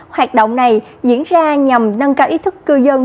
hoạt động này diễn ra nhằm nâng cao ý thức cư dân